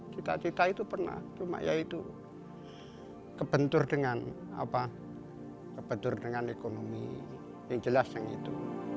cita cita itu pernah cuma ya itu kebentur dengan kebentur dengan ekonomi yang jelas yang itu